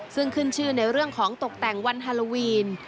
ซึ่งขึ้นชื่อในเรื่องของตกแต่งวันฮาโลวีน